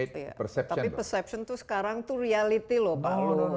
tapi perception itu sekarang tuh reality loh pak